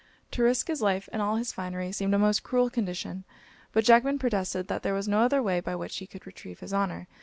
To risk his life and all his finery, seemed a most cruel condition; but Jackman protested there was no other by which he could retrieve his honour.